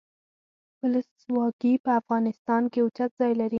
ولسواکي په افغانستان کې اوچت ځای لري.